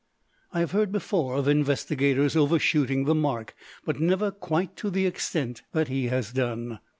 I have heard before of investigators overshooting the mark, but never quite to the extent that he has done.